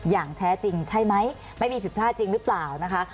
อย่างแท้จริงใช่ไหมไม่มีผิดพลาดจริงหรือเปล่านะคะ